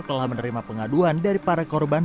telah menerima pengaduan dari para korban